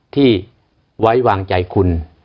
ที่ไว้วางใจคุณ